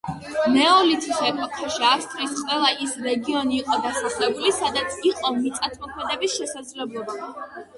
ნეოლითის ეპოქაში ავსტრიის ყველა ის რეგიონი იყო დასახლებული, სადაც იყო მიწათმოქმედების შესაძლებლობა.